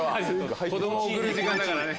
子供を送る時間だからね。